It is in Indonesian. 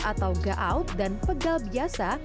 atau gaut dan pegal biasa